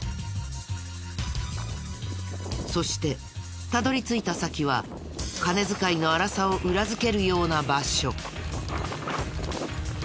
そしてたどり着いた先は金遣いの荒さを裏付けるような場所。